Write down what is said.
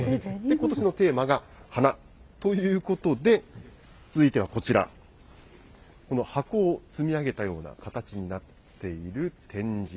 ことしのテーマが花ということで、続いてはこちら、この箱を積み上げたような形になっている展示。